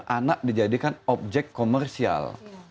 anak dijadikan objek komersial